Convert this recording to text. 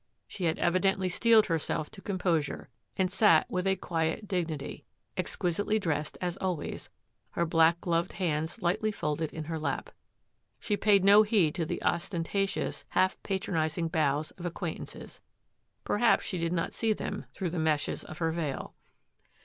She had evidently steeled her self to composure and sat with a quiet dignity, exquisitely dressed as always, her black gloved hands lightly folded in her lap. She paid no heed to the ostentatious, half patronising bows of acquaintances. Perhaps she did not see them through the meshes of her veil.